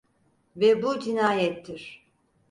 Ve bu cinayettir.